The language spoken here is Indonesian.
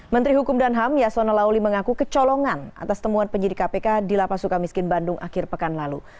menteri hukum dan ham yasona lauli mengaku kecolongan atas temuan penyidik kpk di lapas suka miskin bandung akhir pekan lalu